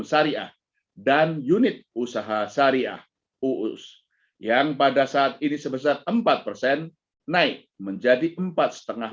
syariah dan unit usaha syariah uus yang pada saat ini sebesar empat persen naik menjadi empat lima